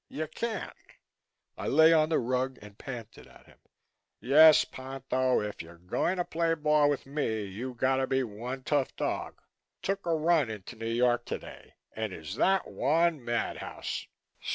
You can't." I lay on the rug and panted at him. "Yes, Ponto, if you're going to play ball with me you got to be one tough dog. Took a run into New York today and is that one mad house?